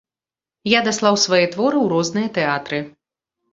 Я даслаў свае творы ў розныя тэатры.